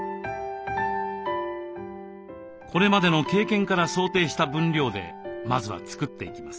これまでの経験から想定した分量でまずは作っていきます。